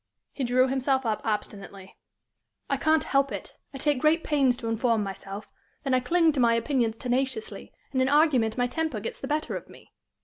He drew himself up obstinately. "I can't help it. I take great pains to inform myself, then I cling to my opinions tenaciously, and in argument my temper gets the better of me.